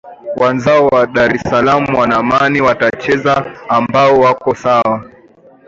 wanzao wa dar es salam wana amani wanacheza mbao wako sawa